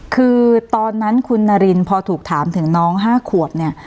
คือตอนนั้นคุณนารินพอถูกถามถึงน้อง๕ขวบเนี่ย